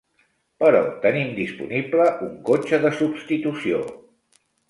Però tenim disponible un cotxe de substitució.